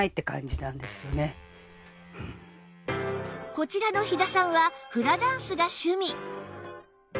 こちらの飛騨さんはフラダンスが趣味